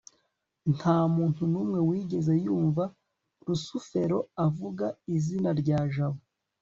ntamuntu numwe wigeze yumva rusufero avuga izina rya jabo